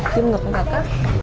xương ngực ngực á